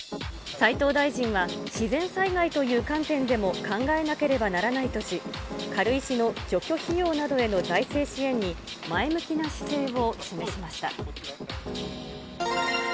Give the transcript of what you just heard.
斉藤大臣は、自然災害という観点でも考えなければならないとし、軽石の除去費用などへの財政支援に、前向きな姿勢を示しました。